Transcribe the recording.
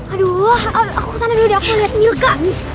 aduh aku kesana dulu deh aku mau liat milka